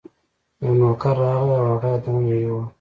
یو نوکر راغی او هغه یې دننه یووړ.